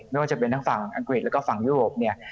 ไม่ว่าจะเป็นทั้งอังกฤษและยุโรป